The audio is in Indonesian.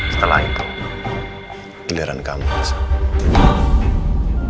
setelah itu giliran kamu langsung